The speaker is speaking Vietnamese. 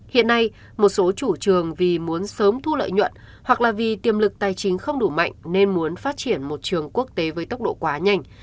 hiện nay một số chủ trường vì muốn sớm thu lợi nhuận hoặc là vì tiềm lực tài chính không đủ mạnh nên muốn phát triển một trường quốc tế với tốc độ quá nhanh